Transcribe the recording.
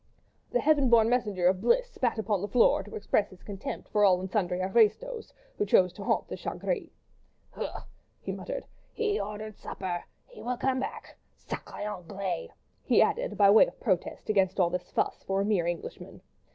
The heaven born messenger of bliss spat upon the floor, to express his contempt for all and sundry aristos, who chose to haunt the "Chat Gris." "Heu!" he muttered, "he ordered supper—he will come back. ... Sacrré Anglais!" he added, by way of protest against all this fuss for a mere Englishman.